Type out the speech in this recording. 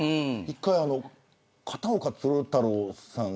１回、片岡鶴太郎さん